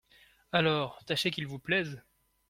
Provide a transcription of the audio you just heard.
Alors, tâchez qu’ils vous plaisent…